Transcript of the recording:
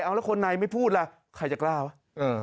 เอาแล้วคนในไม่พูดล่ะใครจะกล้าวะ